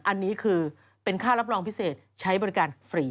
อันนี้คือเป็นค่ารับรองพิเศษใช้บริการฟรี